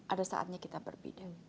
ada saatnya kita berbeda